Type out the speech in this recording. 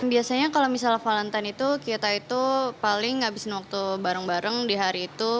biasanya kalau misalnya valentine itu kita itu paling ngabisin waktu bareng bareng di hari itu